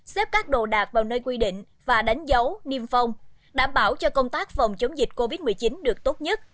xếp các đồ đạc vào nơi quy định và đánh dấu niêm phong đảm bảo cho công tác phòng chống dịch covid một mươi chín được tốt nhất